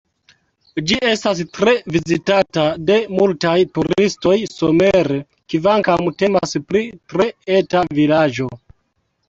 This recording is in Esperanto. Ĝi estas tre vizitata de multaj turistoj somere, kvankam temas pri tre eta vilaĝo.